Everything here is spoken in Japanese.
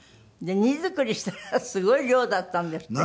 荷造りしたらすごい量だったんですって？